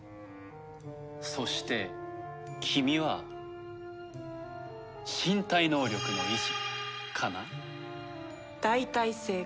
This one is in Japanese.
そして君は「身体能力の維持」かな？大体正解。